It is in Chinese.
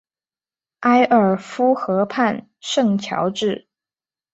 埃尔夫河畔圣乔治。